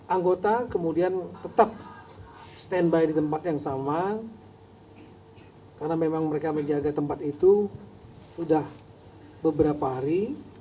anggota kemudian tetap standby di tempat yang sama karena memang mereka menjaga tempat itu sudah beberapa hari